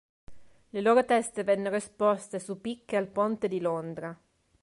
Le loro teste vennero esposte su picche al Ponte di Londra.